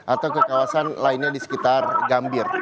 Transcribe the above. atau ke kawasan lainnya di sekitar gambir